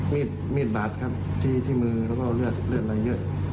มีดบาดครับที่มือแล้วก็เลือดเลือดอะไรเยอะ